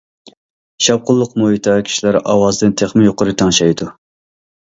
شاۋقۇنلۇق مۇھىتتا كىشىلەر ئاۋازنى تېخىمۇ يۇقىرى تەڭشەيدۇ.